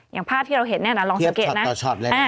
อย่างภาพที่เราเห็นเนี่ยนะลองสังเกตนะ